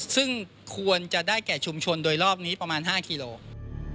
ซึ่งควรจะได้แก่ชุมชนโดยรอบนี้ประมาณ๕กิโลกรัม